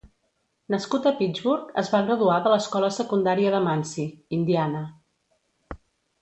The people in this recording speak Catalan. Nascut a Pittsburgh, es va graduar de l'escola secundària de Muncie, Indiana.